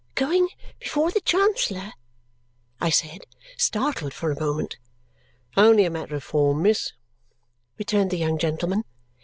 "Going before the Chancellor?" I said, startled for a moment. "Only a matter of form, miss," returned the young gentleman.